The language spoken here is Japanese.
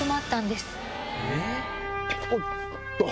おっと！